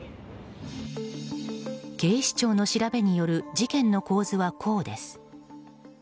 警視庁の調べによる事件の構図はこうです。